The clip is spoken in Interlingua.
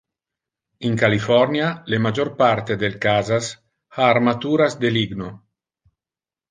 In California, le major parte del casas ha armaturas de ligno.